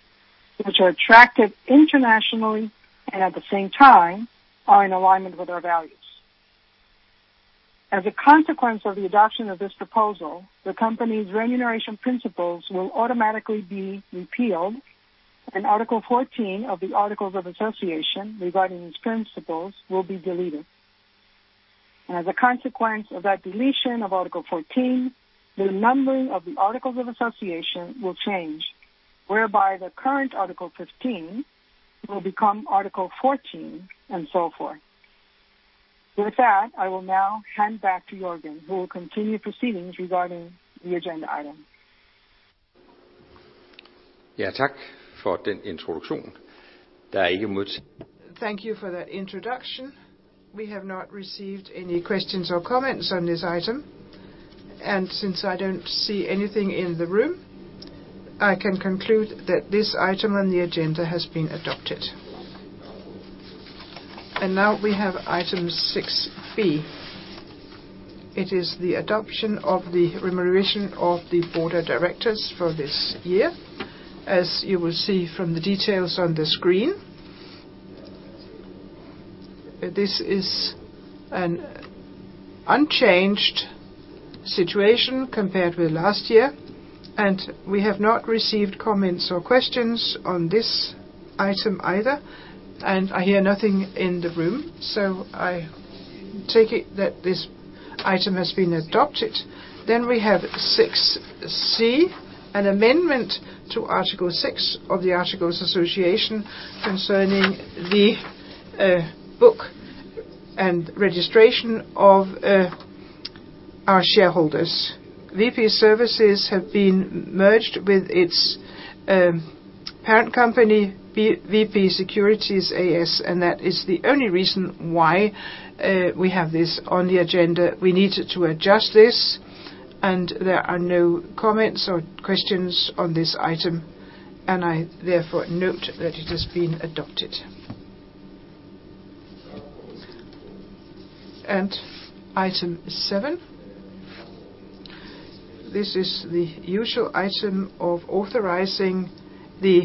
which are attractive internationally and at the same time are in alignment with our values. As a consequence of the adoption of this proposal, the company's remuneration principles will automatically be repealed and Article 14 of the Articles of Association regarding these principles will be deleted. As a consequence of that deletion of Article 14, the numbering of the Articles of Association will change, whereby the current Article 15 will become Article 14, and so forth. With that, I will now hand back to Jørgen, who will continue proceedings regarding the agenda item. Thank you for that introduction. We have not received any questions or comments on this item, and since I don't see anything in the room, I can conclude that this item on the agenda has been adopted. Now we have item 6B. It is the adoption of the remuneration of the board of directors for this year. As you will see from the details on the screen, this is an unchanged situation compared with last year, and we have not received comments or questions on this item either, and I hear nothing in the room, so I take it that this item has been adopted. We have 6C, an amendment to Article 6 of the Articles of Association concerning the book and registration of our shareholders. VP Securities have been merged with its parent company, VP Securities A/S, and that is the only reason why we have this on the agenda. We needed to adjust this. There are no comments or questions on this item. I therefore note that it has been adopted. Item 7. This is the usual item of authorizing the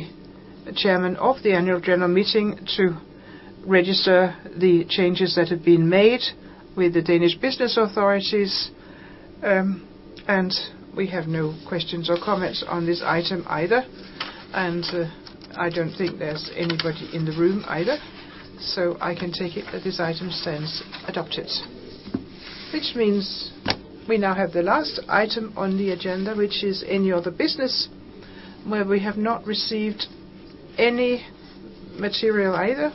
Chairman of the Annual General Meeting to register the changes that have been made with the Danish business authorities. We have no questions or comments on this item either. I don't think there's anybody in the room either, I can take it that this item stands adopted. Which means we now have the last item on the agenda, which is any other business, where we have not received any material either.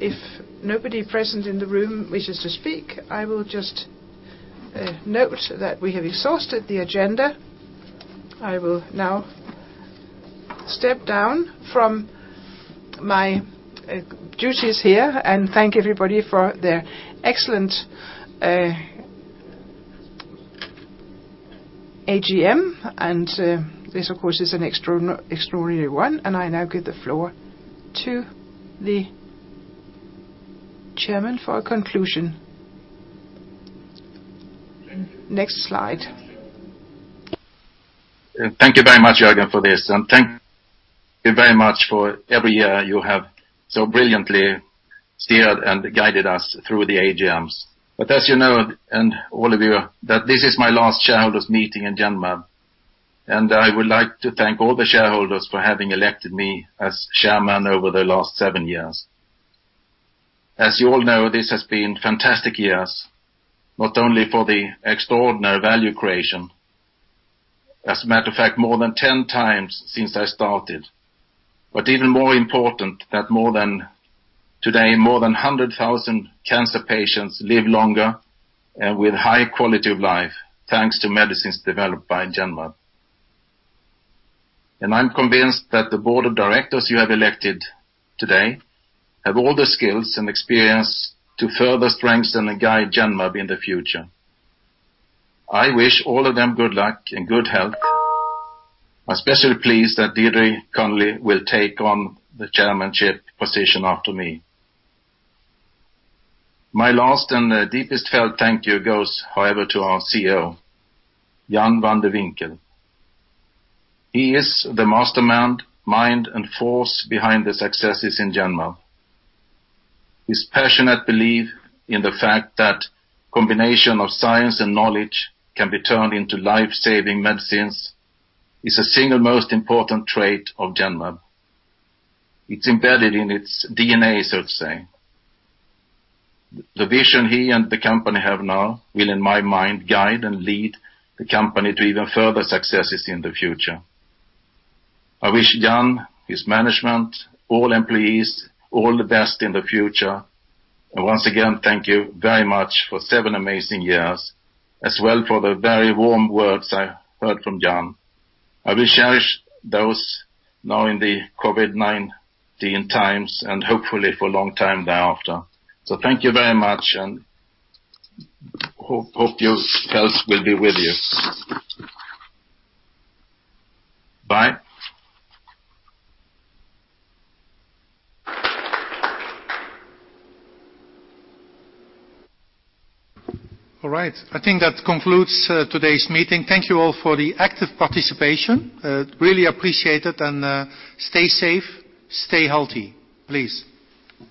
If nobody present in the room wishes to speak, I will just note that we have exhausted the agenda. I will now step down from my duties here and thank everybody for their excellent AGM. This of course is an extraordinary one. I now give the floor to the chairman for a conclusion. Next slide. Thank you very much, Jørgen, for this. Thank you very much for every year you have so brilliantly steered and guided us through the AGMs. As you know, and all of you, that this is my last shareholders' meeting in Genmab, and I would like to thank all the shareholders for having elected me as chairman over the last seven years. As you all know, this has been fantastic years, not only for the extraordinary value creation. As a matter of fact, more than 10 times since I started. Even more important that today more than 100,000 cancer patients live longer and with high quality of life, thanks to medicines developed by Genmab. I'm convinced that the board of directors you have elected today have all the skills and experience to further strengthen and guide Genmab in the future. I wish all of them good luck and good health. I'm especially pleased that Deirdre Connelly will take on the chairmanship position after me. My last and deepest felt thank you goes, however, to our CEO, Jan van de Winkel. He is the mastermind and force behind the successes in Genmab. His passionate belief in the fact that combination of science and knowledge can be turned into life-saving medicines is the single most important trait of Genmab. It's embedded in its DNA, so to say. The vision he and the company have now will, in my mind, guide and lead the company to even further successes in the future. I wish Jan, his management, all employees all the best in the future. Once again, thank you very much for seven amazing years as well for the very warm words I heard from Jan. I will cherish those now in the COVID-19 times and hopefully for a long time thereafter. Thank you very much, and hope good health will be with you. Bye. All right. I think that concludes today's meeting. Thank you all for the active participation. Really appreciate it, and stay safe, stay healthy, please.